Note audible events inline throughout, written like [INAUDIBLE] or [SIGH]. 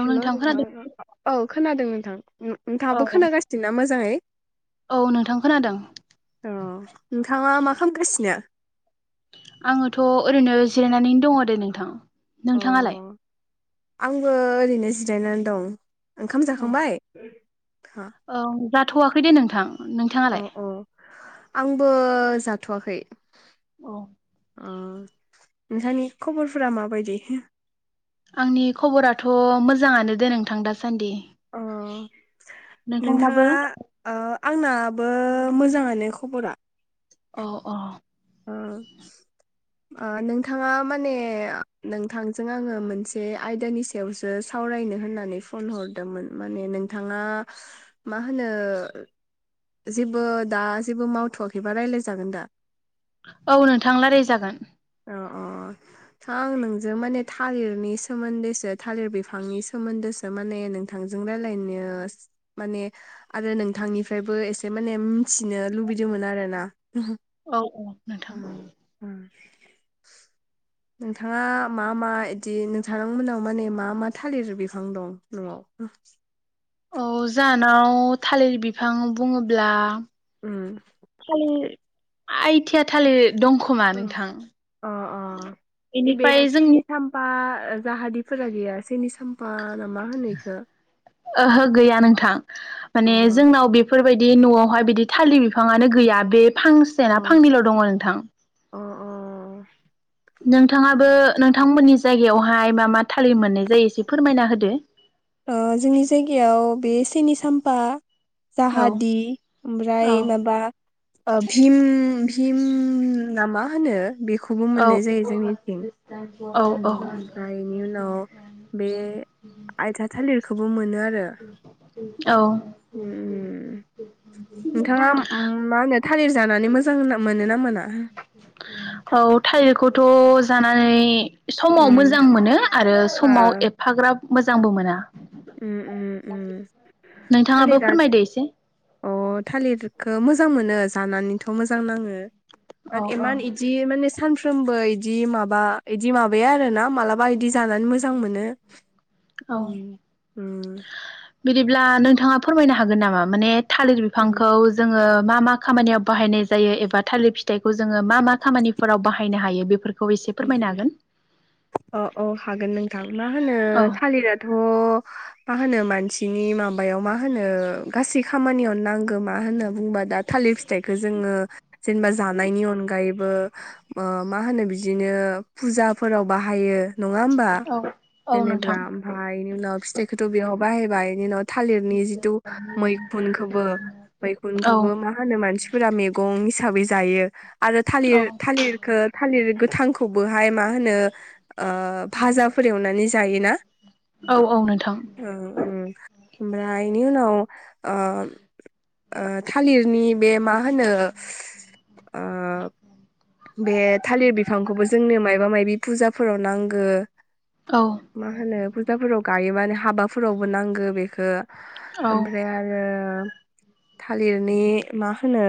Hello नोंथां औ खोनादों थां अम औ नोंथांङाबो खोनागासिनोना मोजाङै औ नोंथां खोनादों अ नोंथाङा माख खामगासिनो आङोथ' ओरैनो जिरायनानै दंङ दे नोंथां अ नोंथाङालाय आंबो ओरैनो जिरायनानै दं ओंखाम औ जाखांबाय औ जाथ'वाखै दे नोंथां अ नोंथाङालाय अ आंबो जाथवाखै औ। ओ नोंथानि खबरफोरा माबायदि? आंनि खबराथ' मोजाङानो दे नोंथां दा सान्दि अ नोंथाङा नोंथांनाबो? ओ आंनाबो मोजाङानो खबरा। औ औ ओ नोंथाङा माने नोंथांजों आङो मोनसे आयदानि सायावसो सावरायनो होननानै फन हरदोंमोन माने नोंथाङा मा होनो जेबो दा जेबो मावथ'वाखैबा राय्लायजागोन दा? औ नोंथां लाराय जागोन। अ अ था आं नोंजों माने थालिरनि सोमोन्दैसो थालिर बिफांनि सोमोन्दैसो माने नोंथांजों रायलायनो माने आरो नोंथांनिफ्रायबो एसे माने मिथिनो लुबैदोंमोन आरोना? औ औ नोंथां। उम उम नोंथाङा मा-मा इदि नोंथांमोनाव माने मा-मा थालिर बिफां दं न'आव? औ जानाव थालिर बिफां बुङोब्ला उम थालि आइथिया थालिर दंखोमा नोंथां अ इ बे इनिफ्राय सिनि जोंनि साम्फा जाहादिफोरा गैया सेनि साम्फा ना मा होनो इखो? ओहो गैया नोंथां अ माने जोंनाव बेफोरबायदि समाव बिदि न'आवहाय बिदि थालिर बिफाङानो गैया बे अ फांसे ना फांनैल' दङ नोंथां। अ नोंथाङाबो नोंथांमोननि जायगायावहाय मा मा थाललिम मोननाय जायो एसे फोरमायना होदो? जोंनि जायगायाव बे सिनि साम्फा औ जाहादि ओमफ्राय औ माबा भिम [UNINTELLIGIBLE] मा होनो बे बे खौबो औ मोननाय जायो जोंनिथिं। औ ओमफ्राय बेनि उनाव बे आयथ थालिर खौबो मोनो आ औ। उम नोंथाङा मा होनो थालिर जानाय औ थालिरखौथ' जानानै समाव उम मोजां मोनो आरो ओ समाव एफाग्राब मोजांबो मोना। उम उम उम नोंथाङाबो थालिरा फोरमायदो एसे अ थालिरखौ मोजां मोनो। जानानैथ' मोजां नाङो। औ आरो औ इान इदि माने सानफ्रोमबो इदि माबा इदि माबाया आरो ना मालाबा इदि जानानै मोजां मोनो औ उम उम। बिदिब्ला नोंथाङा फोरमायनो हागोन नामा माने थालिर उम बिफांखौ जोङो मा मा खामानियाव बाहायनाय जायो एबा थालिर फिथाइखौ जोङो मा मा खामानिफोराव बाहायनो हायो बेफोर अ अ हागोन नोंथां मा होनो थालिराथ' मा होनो मानसिनि माबायाव मा होनो गासै खामानियाव नांगौ मा होनो बुंबा दा थालिर फिथाइखो जोङो जेनेबा जानायनि अनगायै बो ओ मानो बि दिनो फुजाफोराव बाहायो। नङा होमबा? औ औ जेनेब्रा नोंथां ओमफाय बेनि उनाव फिथाइखौथ' बेयाव बाहायबाय इनि नथ' थालिरनि जिथु मैखुनखौबो औ मैखुनखौबो मा होनो मानसिफोरा मेगं हि साबै जायो। आरो थालिर औ थालिरखो थालिर थांखौबोहाय मा होनो ओ भाजाफोर एवनानै जायोना? औ औ नोंथां ओ उम ओमफ्राय इनि उनाव ओ ओ थालिरनि बे मा होनो ओ बे थालिर बि बो जोंनो मायबा मायबि फुजाफोराव नांगो। औ मा होनो फुजाफोराव गायोबानो हाबाफोरावबो नांगो बेखो। औ ओमफ्राय आरो थालिरनि मा होनो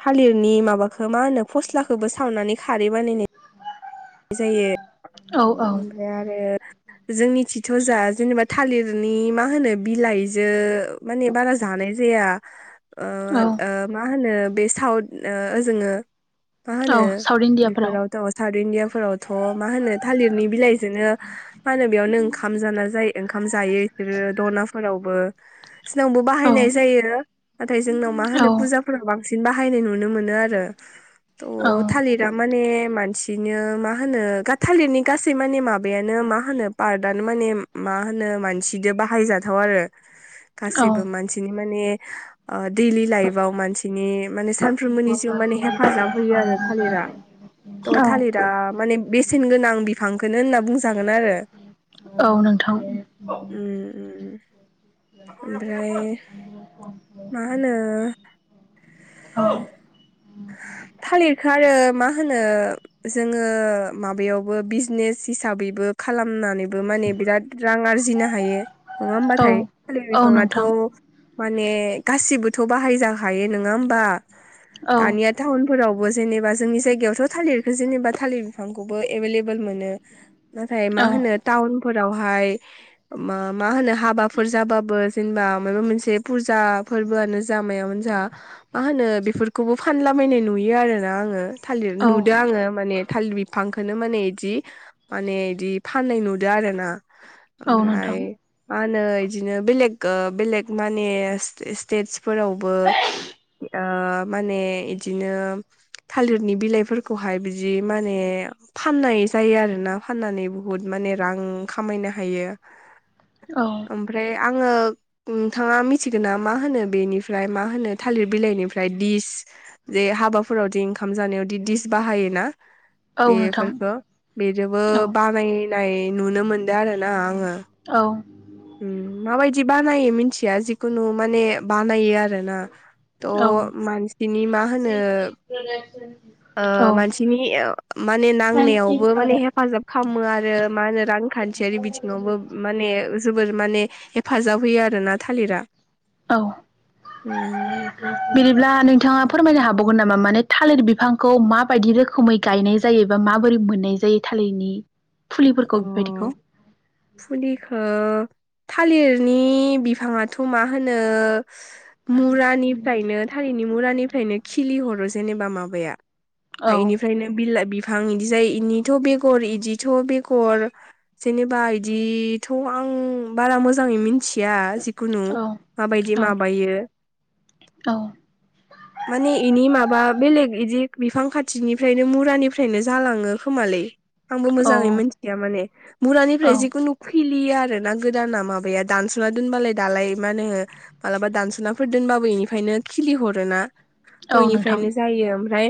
थालिरनि माबाखो मा होनो फस्लाखोबो सावनानै खारै बानायनाय जायो उम औ औ ओमफ्राय आरो जोंनि थिथ' जा जेनेबा थालिरनि मा होनो बिलाइजो माने बारा जानाय जाया। ओ औ ओ मा होनो बे साउथ ओ जोङो औ साउड इण्डिया फोरावथ साथ इण्डियाफोरावथ' मा होनो ओ थालिरनि बिलाइजोनो मा होनो बेयावनो ओंखाम जाना जायो ओंखाम जायो सोरो दनाफोरावबो। सिनावबो औ बाहायनाय जायो। थाय जोंनाव मा औ होनो फुजाफोराव बांसिन बाहायनाय नुनो मोनो आरो। औ थ' थालिर बे मानसिनो मा होनो गाद थालिरनि गासै माने माबायानो मा होनो पार्टआनो माने मा होनो मानसिदो बाहायजाथाव आरो। औ गासैबो मानसिनि माने ओ दैलि लाइफआव मानसिनि माने साम फ्रोम मोनि जिउआव माने हेफाजाब होयो आरो थालिरा। थ' औ थालिरा ओ माने बेसेन गोनां बिफांखोनो होनना बुंजागोन आरो। औ नोंथां। ओमफ्राय मा होनो औ थालिरखौ आरो मा होनो जोङो माबायावबो बिजनेस हिसाबैबो खालामनानैबो माने बिराद रां आरजिनो हायो नङा औ होमबाथाय थालिर औ बिफाङाथ' नोंथां माने गासिबोथ' बाहायजाखायो नङा होमबा औ दानिया टाउन फोरावबो जेनेबा जोंनि जायगायावथ' थालिरखौ जेनेबा थालिर बिफांखौबो एभेलेबेल मोनो नाथाय औ मा होनो टाउनफोरावहाय मा होनो हाबाफोर जाबाबो जेनेबा माबा मोनसे फुजा फोरबोआनो जा मायानो जा मा होनो बेफोर खौबो फानलाबायनाय नुयो आरो ना आङो थालिर औ नुदों आङो माने थालिर बिफांखौनो माने बिदि माने बिदि फाननाय नुदों आरो ना औ ओमफ्राय नोंथां मा होनो बिदिनो बेलेग बेलेग माने स्टेटसफोरावबो ओ माने इदिनो थालिरनि बिलाइफोरखौहाय बिदि माने फाननाय जायो आरोना फाननानै बहुद माने रां खामायनो हायो औ ओमफ्राय आङो नोंथाङा मिथिगौना मा होनो बेनिफ्राय मा होनो थालिर बिलाइनिफ्राय दिस जे हाबाफोरावदि ओंखाम जानायावदि डिस बाहायो ना औ नोंथां बेफोरखौ बेजोंबो औ बानाय नाय नुनो मोनदों आरो ना आङो औ ओम माबायदि बानायो मिथिया जिखुनु माने बानायो आरो ना औ थ' मानसिनि मा होनो ओ मानसिनि माने नांनायावबो माने हेफाजाब खालामो आरो मा होनो रांखान्थियारि बिथिङावबो माने फोर माने हेफाजाब होयो आरोना थालिरा औ उम बिदिब्ला नोंथाङा फोरमायनो हा बावगोन नामा माने थालिर बिफांखौ माबायदि रोखोमै गायनाय जायोबा माबोरै मोननाय जायो थालिरनि फुलिफोरखौ अ बेबायदिखौ फुलिखौ थालिरनि बिफाङाथ' मा होनो मुरानिफ्रायनो थालिरनि मुरानिफ्रायनो खिलि हरो जेनेबा माबाया औ इनिफ्रायनो बिलाइ बि बिफां बिदि जाय इनिथ' बेगर इदिथ' बेर गर जेनेबा बिदिथ' आं बारा मोजाङै मिथि या जिखुनु औ माबायदि माबायो औ माने इनि माबा बेलेग इदि बिफां खाथिनिफ्रायनो मुरानिफ्रायनो जालाङो खोमालै। आंबो औ मोजाङै मिथि माने औ बुरानिफ्राय जिकुनु खिलियो आरो ना गोदाना माबाया दानस'ना दोनबालाय दालाय मा होनो मालाबा दानस'नाफोर दोनबाबो इनिफ्रायनो खिलिहरोना। औ नोंथां दयनिफ्रायनो जायो ओमफ्राय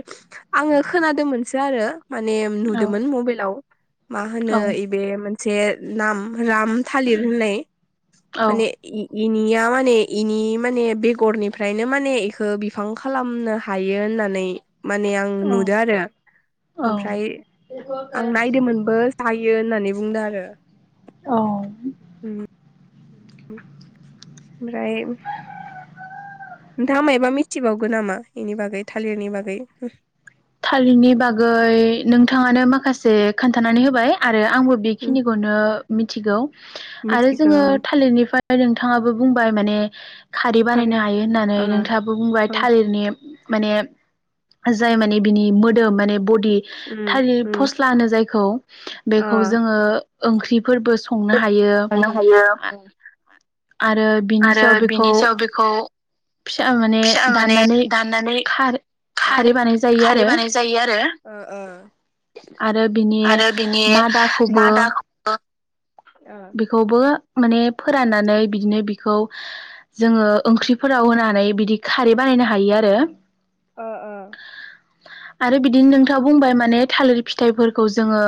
आङो खोनादोंमोनसो आरो। माने औ नुदोमोन मबाइलाव। मा होनो औ इबे मोन। जे नाम राम थालिर होननाय। औ माने इ। इनिया माने इनि माने बेगरनिफ्रायनो माने बेखौ बिफां खालामनो हायो होननानै। माने आं औ नुदों आरो औ ओमफ्राय आं नायदोंमोन। हायो होननानै बुंदों आरो। औ। उम ओमफ्राय नोंथाङा मायबा मिथिबावगो नामा बेनि बागै थालिरनि बागै। थालिरनि बागै नोंथाङानो माखासे खोन्थानानै होबाय आरो। आंबो उम बेखिनिखौनो मि। मिथिगौ। आरो मिथिगौ जोङो थालिरनिफ्राय नोंथाङाबो बुंबाय माने खारै बानायनो आरो हायो होननानै ओ नोंथाङाबो बुंबाय ओ थालिरनि। माने जाय माने। बिनि मोदोम माने बद। दि उम उम थालिरफस्ला होनो जायखौ। बेखौ ओ जोङो। ओंख्रि। फोरबो संनो हायो मोननो हायो आ आरो बिनि आरो सायाव बेखौ। बिनि सायाव बेखौ फिसा माने फिसा माने दाननानै दाननानै खार खार खारै बानाय। जायो खारै आरो बानाय जायो आरो ओ ओ आरो बिनि आरो बिनि मादाखौबो मादाखौ। बेखौबो। माने फोराननानै बिदिनो बिखौ जोङो ओंख्रिफोराव होनानै बिदि खारै बानायनो हायो आरो। ओ ओ आरो बिदिनो नोंथाङा बुंबाय माने थालिर फिथाइफोरखौ जोङो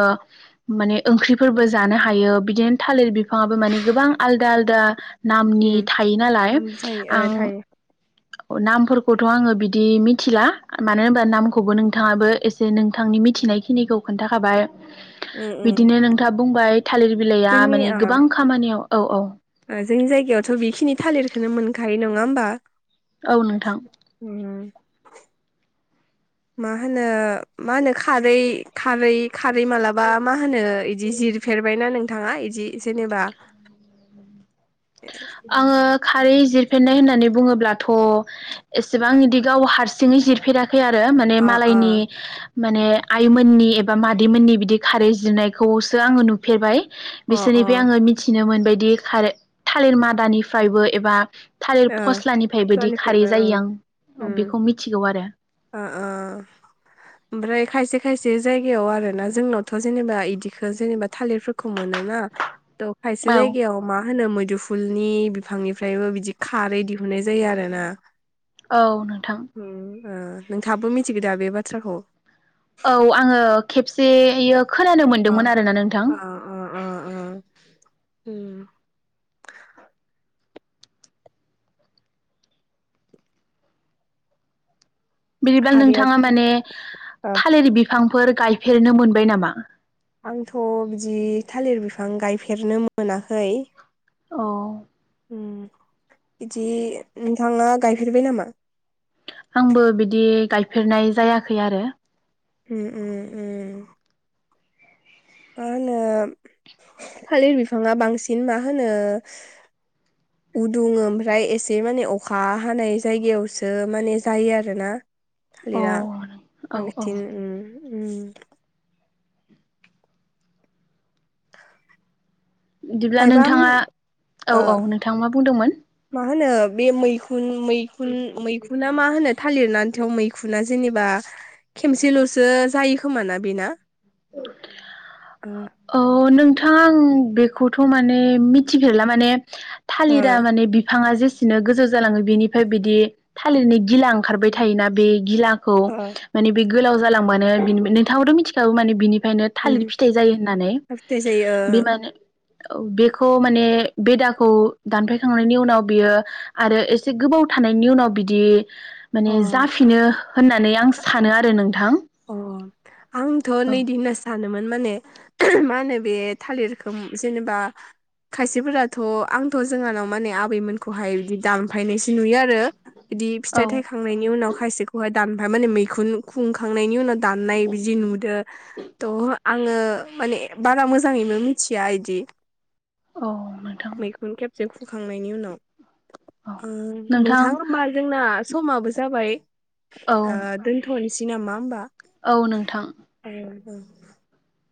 माने ओंख्रिफोरबो जानो हायो बिदिनो थालिर बिफाङाबो माने गोबां आलदा आलदा नामनि उम थायो नालाय। थायो आं ओ थायो नामफोरखौथ' आङो बिदि मिथिला मानो होनबा नामखौबो नोंथाङाबो एसे नोंथांनि मिथिनायखिनिखौ खोन्थाखाबाय उम उम बिदिनो नोंथाङा बुंबाय थालिर बिलाइया जोंनि माने ओ गोबां खामानियाव औ औ खौनो मोनखायो नङा होमबा औ नोंथां मा होनो मा होनो खारै खारै खारै मालाबा मा होनो इदि जिरफेरबायना नोंथाङा इदि जेनेबा आङो खारै जिरफेरनाय होननानै बुङोब्लाथ' एसेबां बिदि गाव हारसिङै जिरफेरा खै आरो माने अ अ मालायनि माने आइमोननि एबा मादैमोननि बिदि खारै जिरनायखौसो आङो नुफेरबाय। अ ओ बिसोरनिफ्राय आङो मिथिनो मोनबाय दि खारै थालिर मादानिफ्रायबो एबा थालिर फस्लानिफ्राय बोदि खारै बिफानिफ्रायबो ओं जायो आं उम बेखौ मिथिगौ आरो ओ ओ ओमफ्राय खायसे खायसे जायगायाव आरोना जोंनावथ' जेनेबा इदिखौ जेनेबा थालिरफोरखौ मोनोना थ' खायसे औ जायगायाव मा होनो मो दुफुलनि बिफांनिफ्रायबो बिदि खारै दिहुननाय जायो आरो ना औ नोंथां। ओ नोंथाबो मिथिगौ दा बे बाथ्राखौ? औ आङो खेबसेयो खोनानो अ मोनदोंमोन आरोना नोंथां अ अ अ अ [INAUDIBLE] बिदिबा खारैया नोंथाङा माने ओ थालिर बि फांफोर गायफेरनो मोनबाय नामा? आंथ' बिदि थालिर बिफां गायफेरनो मोनाखै। औ ओम बिदि नोंथाङा गायफेरबाय नामा? आंबो बिदि गायफेरनाय जायाखै आरो उम उम उम मा होनो थालिर बिफाङा बांसिन मा होनो उदुङो ओमफ्राय एसे माने अखा हानाय जायगायावसो माने जायो आरोना। अ थालिरा औ औ आंनिथिं ओम ओम बिदिब्ला खायबा नोंथाङा औ ओ औ नोंथाङा मा बुंदोंमोन मा होनो बे मै मैखुन मैखुन मैखुनना मा होनो थालिरना हाथायाव मैखुना जेनेबा खेमसेल'सो जायो खोमोना बेना ओ अ नोंथ' आं बेखौथ' माने मिथिफेरला माने ओ थालिरा माने बिफाङा जे बिदिनो गोजौ जालाङो बेनिफ्राय बिदि थालिरनि गिला ओंखारबाय थायोना बे गिला खौ ओ माने बे गोलाव जालांबानो बिनि नोंथांआबो मिथिखागौ माने बेनिफायनो उम थालिर फिथाइ जायो होननानै फिथाइ जायो बे माने बेखौ माने बेदाखौ दानफायखांनायनि उनाव बियो आरो एसे गोबाव थानायनि उनाव बिदि माने ओ अ जाफिनो होननानै आं सानो आरो नों थां अ आं थ' नैदि होनना सान मोनोमोन माने मा होनो बे थालिरखौ जेनेबा खायसेफोराथ' आंथ' जोंहानाव माने आबैमोनखौहाय बिदि दानफायनायसो नुयो आरो। बिदि फिथाइ थायखांनायनि उनाव खायसेखौहाय दानबा माने मैखुन खुं खांनायनि उनाव दाननाय बिदि नुदो थ' आंङो माने बारा मोजाङैनो मिथिया इदि औ नोंथां मैखुन खेबसे खुखांनायनि उनाव औ ओ नोंथां होमबा जोंना समाबो जाबाय औ ओ दोनथ'नि सि नामा होमबा औ नोंथां औ औ